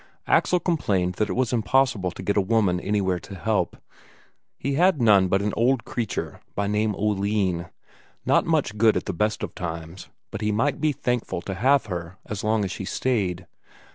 Axel complained that it was impossible to get a woman anywhere to help; he had none but an old creature, by name Oline; not much good at the best of times, but he might be thankful to have her as long as she stayed.